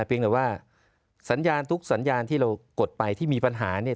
เพียงแต่ว่าสัญญาณทุกสัญญาณที่เรากดไปที่มีปัญหาเนี่ย